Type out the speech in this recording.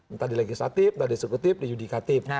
entah di legislatif entah di subjektif di judikatif